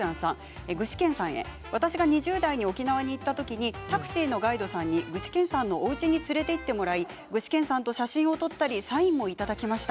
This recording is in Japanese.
具志堅さんへ私が２０代に沖縄に行ったときにタクシーのガイドさんに具志堅さんのおうちに連れて行ってもらい具志堅さんと写真を撮ったりサインもいただきました。